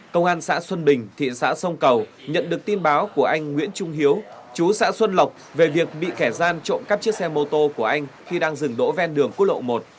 công an xã xuân bình thị xã sông cầu nhận được tin báo của anh nguyễn trung hiếu chú xã xuân lộc về việc bị kẻ gian trộm cắp chiếc xe mô tô của anh khi đang dừng đỗ ven đường quốc lộ một